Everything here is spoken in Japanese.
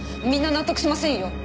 みんな納得しませんよ。